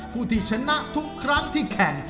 ผู้ที่ชนะทุกครั้งที่แข่ง